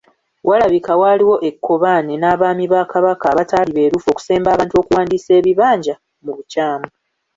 Walabika waaliwo ekkobaane n’Abaami ba Kabaka abataali beerufu okusemba abantu okuwandiisa ebibanja mu bukyamu.